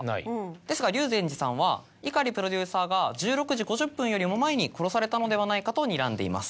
ですが龍禅寺さんは碇プロデューサーが１６時５０分よりも前に殺されたのではないかとにらんでいます。